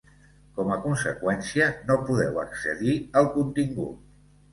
Com a conseqüència, no podeu accedir al contingut.